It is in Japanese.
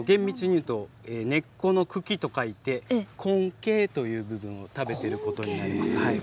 根っこの茎と書いて根茎という部分を食べていることになります。